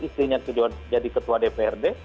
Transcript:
istrinya jadi ketua dprd